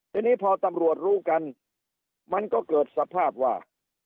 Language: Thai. ทีนี้พอตำรวจรู้กันมันก็เกิดสภาพว่า